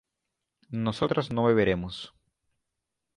nosotras no beberemos